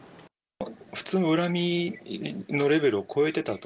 普通の恨みのレベルを超えてたと。